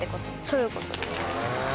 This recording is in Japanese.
そういうことです。